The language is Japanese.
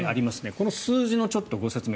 この数字のご説明。